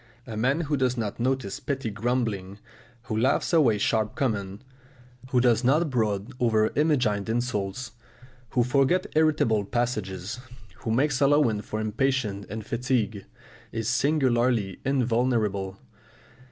A man who does not notice petty grumbling, who laughs away sharp comments, who does not brood over imagined insults, who forgets irritable passages, who makes allowance for impatience and fatigue, is singularly invulnerable.